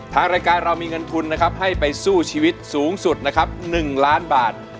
ทางรายการเรามีเงินทุนนะครับให้ไปสู้ชีวิตสูงสุดนะครับ๑ล้านบาท